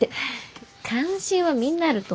フフッ関心はみんなあると思うけど。